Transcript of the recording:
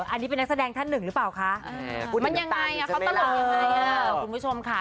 อันนี้เป็นนักแสดงท่านหนึ่งหรือเปล่าคะ